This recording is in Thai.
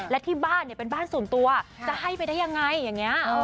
และที่บ้านเนี่ยเป็นบ้านส่วนตัวจะให้ไปได้ยังไงอย่างนี้